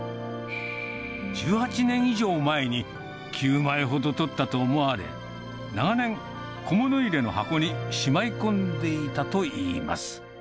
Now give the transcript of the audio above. １８年以上前に、９枚ほど撮ったと思われ、長年、小物入れの箱にしまい込んでいたといいます。